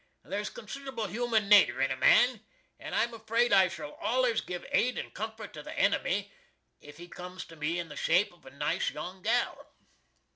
There's considerable human nater in a man, and I'm afraid I shall allers giv aid and comfort to the enemy if he cums to me in the shape of a nice young gal.